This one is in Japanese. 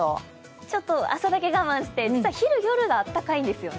ちょっと朝だけ我慢して、実は昼、夜は暖かいんですよね。